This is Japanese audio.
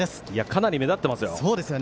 かなり目立ってますよ。